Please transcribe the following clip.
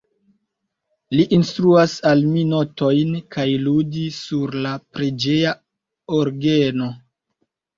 Li instruas al mi notojn kaj ludi sur la preĝeja orgeno.